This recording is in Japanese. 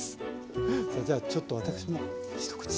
それじゃあちょっと私も一口。